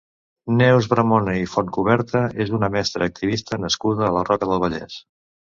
Neus Bramona i Fontcuberta és una mestra i activista nascuda a la Roca del Vallès.